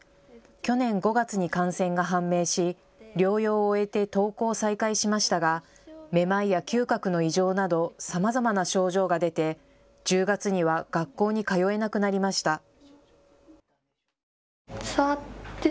去年５月に感染が判明し療養を終えて登校を再開しましたが、めまいや嗅覚の異常などさまざまな症状が出て１０月には学校に通えなくなりました。